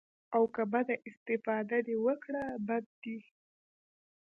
او که بده استفاده دې وکړه بد ديه.